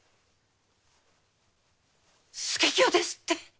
佐清ですって？